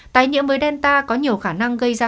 tái nhiễm mới delta có nhiều khả năng gây ra